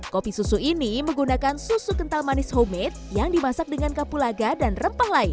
kopi susu ini menggunakan susu kental manis homemade yang dimasak dengan kapulaga dan rempah lain